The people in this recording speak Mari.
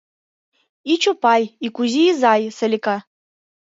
И Чопай, и Кузи изай, Салика...